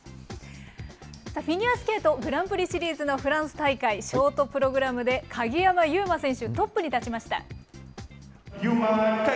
フィギュアスケートグランプリシリーズのフランス大会、ショートプログラムで鍵山優真選手、トップに立ちました。